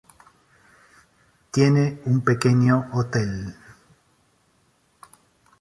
Tiene un pequeño Hotel.